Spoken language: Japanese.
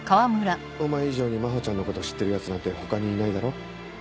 お前以上に真帆ちゃんのことを知ってるヤツなんて他にいないだろ？